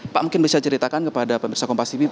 pak mungkin bisa ceritakan kepada pemirsa kompas ini